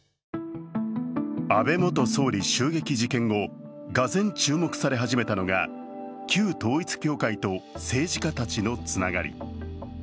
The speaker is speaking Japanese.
安倍元総理襲撃事件後、がぜん注目され始めたのが旧統一教会と政治家たちのつながり。